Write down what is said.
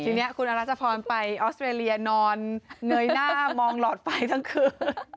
ทีนี้คุณอรัชพรไปออสเตรเลียนอนเงยหน้ามองหลอดไฟทั้งคืน